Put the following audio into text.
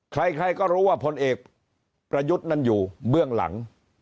ใครก็รู้ว่าผลเอกประยุทธ์นั้นอยู่เบื้องหลัง